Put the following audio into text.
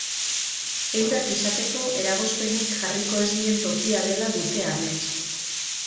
Eurak izateko eragozpenik jarriko ez dien tokia dela dute amets.